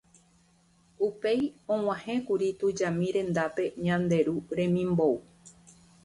Upéi og̃uahẽkuri tujami rendápe Ñande Ru remimbou.